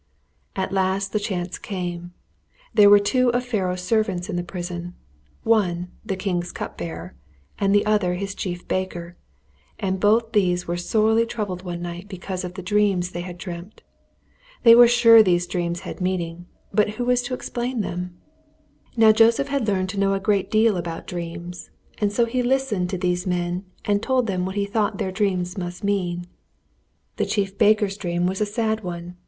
At last the chance came. There were two of Pharaoh's servants in the prison one, the king's cup bearer, and the other his chief baker, and both these were sorely troubled one night because of the dreams they had dreamt. They were sure these dreams had a meaning, but who was to explain them? [Illustration: "Joseph is without doubt rent in pieces!"] Now Joseph had learned to know a great deal about dreams, and so he listened to these men and told them what he thought their dreams must mean. The chief baker's dream was a sad one.